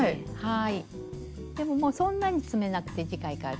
はい。